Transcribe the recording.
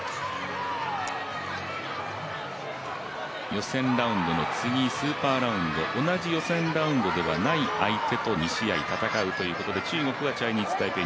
予選ラウンドの次スーパーラウンド同じ予選ラウンドではない相手と、２試合戦うというところで中国はチャイニーズ・タイペイ